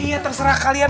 iya terserah kalian